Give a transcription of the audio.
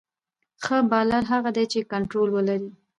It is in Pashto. ښه بالر هغه دئ، چي کنټرول ولري.